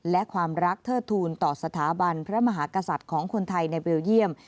และความรักเทิดทูลต่อสถาบันพระมหากษัตริย์ของคนไทยในเบลเยี่ยม